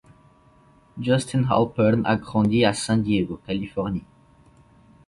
Justin Halpern a grandi à San Diego, Californie.